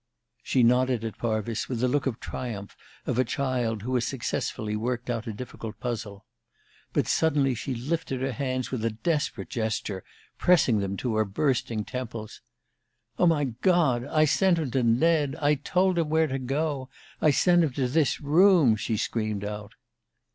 She nodded at Parvis with the look of triumph of a child who has successfully worked out a difficult puzzle. But suddenly she lifted her hands with a desperate gesture, pressing them to her bursting temples. "Oh, my God! I sent him to Ned I told him where to go! I sent him to this room!" she screamed out.